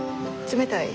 冷たい？